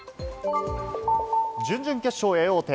準々決勝へ王手！